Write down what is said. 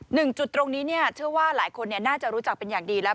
จุดตรงนี้เนี่ยเชื่อว่าหลายคนน่าจะรู้จักเป็นอย่างดีแล้ว